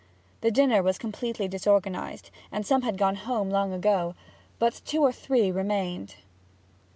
The dinner was completely disorganized, and some had gone home long ago; but two or three remained.